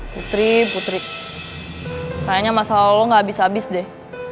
putri putri kayaknya masalah lo gak habis habis deh